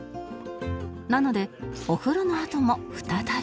なのでお風呂のあとも再び